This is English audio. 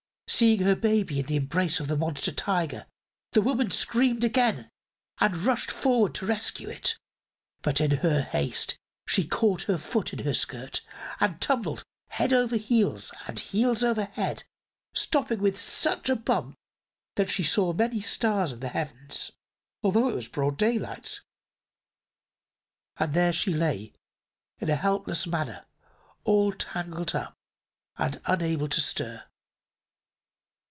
Seeing her baby in the embrace of the monster Tiger the woman screamed again and rushed forward to rescue it, but in her haste she caught her foot in her skirt and tumbled head over heels and heels over head, stopping with such a bump that she saw many stars in the heavens, although it was broad daylight. And there she lay, in a helpless manner, all tangled up and unable to stir.